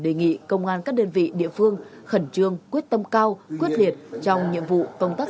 đề nghị công an các đơn vị địa phương khẩn trương quyết tâm cao quyết liệt trong nhiệm vụ công tác